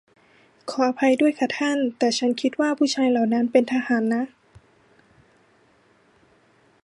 ขออภัยด้วยค่ะท่าน แต่ฉันคิดว่าผู้ชายเหล่านั้นเป็นทหารนะ